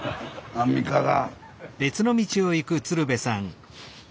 アンミカが。